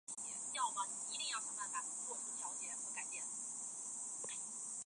欧洲无须鳕为辐鳍鱼纲鳕形目无须鳕科的其中一种。